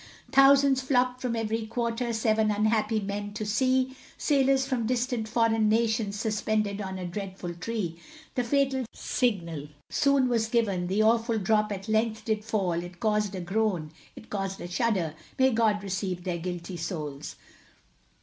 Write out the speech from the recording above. Thousands flocked from every quarter, Seven unhappy men to see, Sailors from distant foreign nations, Suspended on a dreadful tree. The fatal signal soon was given, The awful drop at length did fall, It caused a groan it caused a shudder, May God receive their guilty souls.